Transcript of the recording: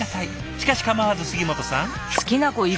しかし構わず杉本さん。